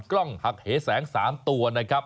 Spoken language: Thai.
กล้องหักเหแสง๓ตัวนะครับ